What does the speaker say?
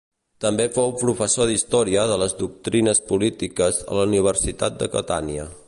També fou professor d'història de les doctrines polítiques a la Universitat de Catània.